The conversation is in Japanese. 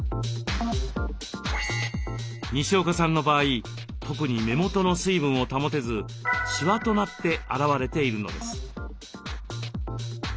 にしおかさんの場合特に目元の水分を保てずしわとなって表れているのです。